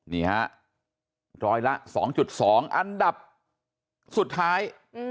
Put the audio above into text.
นี่ฮะร้อยละ๒๒อันดับสุดท้าย